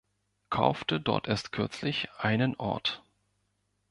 Kaufte dort erst kürzlich einen Ort.